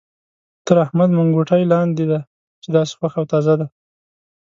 تر احمد منګوټی لاندې دی چې داسې خوښ او تازه دی.